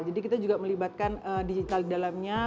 jadi kita juga melibatkan digital di dalamnya